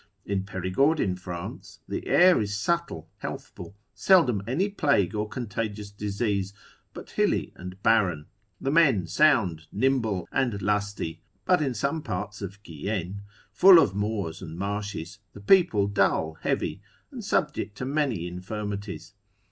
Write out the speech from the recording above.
In Perigord in France the air is subtle, healthful, seldom any plague or contagious disease, but hilly and barren: the men sound, nimble, and lusty; but in some parts of Guienne, full of moors and marshes, the people dull, heavy, and subject to many infirmities.